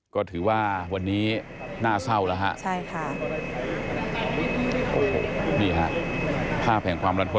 ก็ถือว่าวันนี้น่าเศร้าแล้วครับ